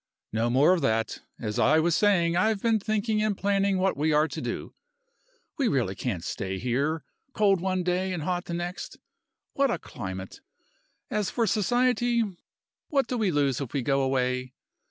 No more of that. As I was saying, I have been thinking and planning what we are to do. We really can't stay here. Cold one day, and hot the next what a climate! As for society, what do we lose if we go away?